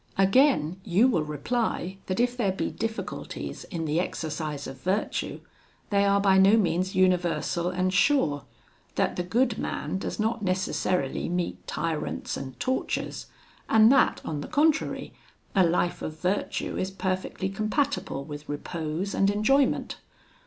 "'Again, you will reply that if there be difficulties in the exercise of virtue, they are by no means universal and sure; that the good man does not necessarily meet tyrants and tortures, and that, on the contrary, a life of virtue is perfectly compatible with repose and enjoyment.